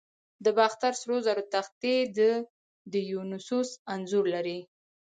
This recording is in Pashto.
د باختر سرو زرو تختې د دیونوسوس انځور لري